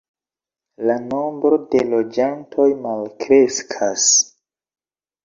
La nombro de loĝantoj malkreskas.